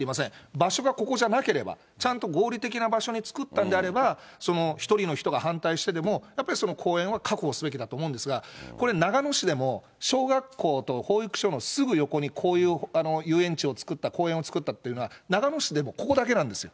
場所がここじゃなければ、ちゃんと合理的な場所に作ったんであれば、その１人の人が反対してでも、やっぱりその公園は確保すべきだと思うんですが、これ、長野市でも小学校と保育所のすぐ横にこういう遊園地を作った、公園を作ったっていうのは、長野市でもここだけなんですよ。